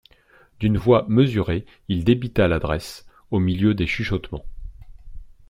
D'une voix mesurée, il débita l'adresse, au milieu des chuchotements.